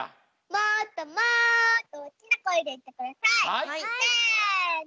もっともっとおっきなこえでいってください。せの！